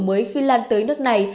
mới khi lan tới nước này